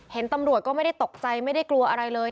เห็นตำรวจก็ไม่ได้ตกใจไม่ได้กลัวอะไรเลย